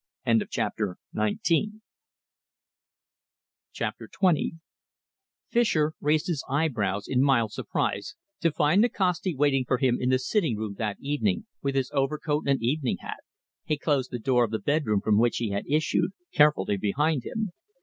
CHAPTER XX Fischer raised his eyebrows in mild surprise to find Nikasti waiting for him in the sitting room that evening, with his overcoat and evening hat. He closed the door of the bedroom from which he had issued carefully behind him.